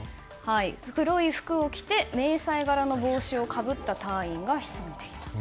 黒い服を着て迷彩柄の帽子をかぶった隊員が潜んでいたと。